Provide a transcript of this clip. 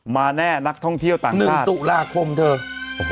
มาแน่นักท่องเที่ยวต่าง๑ตุลาคมเถอะ